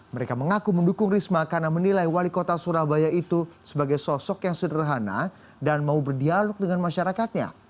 mereka mengaku mendukung risma karena menilai wali kota surabaya itu sebagai sosok yang sederhana dan mau berdialog dengan masyarakatnya